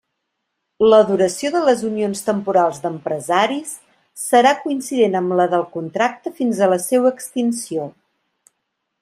La duració de les unions temporals d'empresaris serà coincident amb la del contracte fins a la seua extinció.